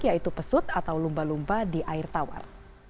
yaitu pesut atau lumba lumba di air tawar